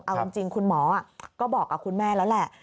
เอาจริงคุณหมอก็บอกกับคุณแม่แล้วแหละ